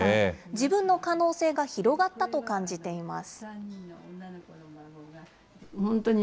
自分の可能性が広がったと感じています。